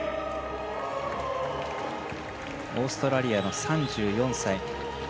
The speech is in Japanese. オーストラリアの３４歳。